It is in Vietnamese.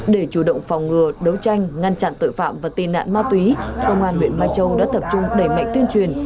để chủ động phòng ngừa đấu tranh ngăn chặn tội phạm và tị nạn ma túy công an huyện mai châu đã tập trung đẩy mạnh tuyên truyền